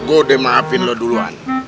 gua udah maafin lu duluan